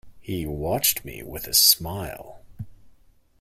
He watched me with a smile.